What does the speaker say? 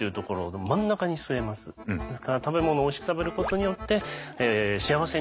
ですから食べ物をおいしく食べることによって幸せになりたいと。